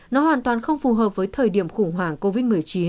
nó hoàn toàn không phù hợp với thời điểm khủng hoảng covid một mươi chín